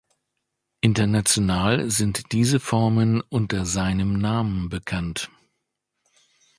International sind diese Formen unter seinem Namen bekannt.